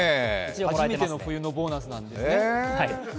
初めての冬のボーナスなんで。